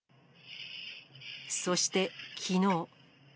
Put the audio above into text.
そしてきのう。